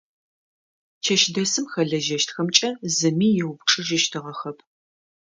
Чэщдэсым хэлэжьэщтхэмкӏэ зыми еупчӏыжьыщтыгъэхэп.